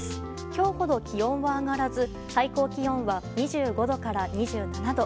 今日ほど気温は上がらず最高気温は２５度から２７度。